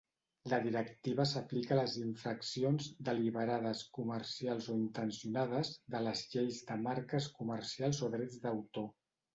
La Directiva s'aplica a les infraccions "deliberades, comercials o intencionades" de les lleis de marques comercials o drets d'autor.